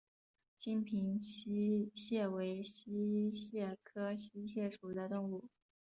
金平溪蟹为溪蟹科溪蟹属的动物。